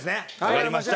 わかりました。